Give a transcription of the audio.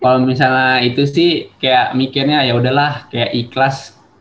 kalau misalnya itu sih kayak mikirnya yaudahlah kayak ikhlas